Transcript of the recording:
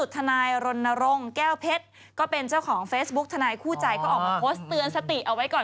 มีรายละเอียดเพิ่มขึ้นเรื่อยอะจริงมีอะไรแล้ว